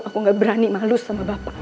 aku gak berani malu sama bapak